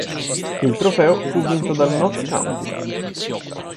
Il trofeo fu vinto dal Notts County.